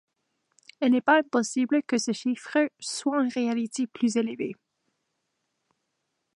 Il n'est pas impossible que ce chiffre soit en réalité plus élevé.